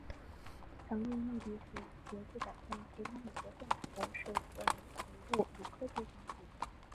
成立目的是协助改善其他美国政府的数位服务与科技产品。